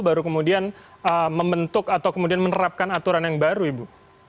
baru kemudian membentuk atau kemudian menerapkan aturan yang baru ibu